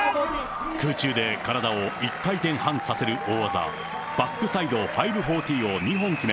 空中で体を１回転半させる大技、バックサイド５４０を２本決め、